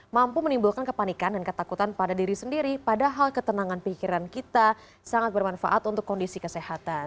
mampu menimbulkan kepanikan dan ketakutan pada diri sendiri padahal ketenangan pikiran kita sangat bermanfaat untuk kondisi kesehatan